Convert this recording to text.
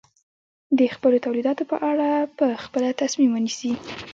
د خپلو تولیداتو په اړه په خپله تصمیم ونیسي.